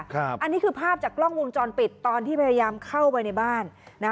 อันนี้คือภาพจากกล้องวงจรปิดตอนที่พยายามเข้าไปในบ้านนะ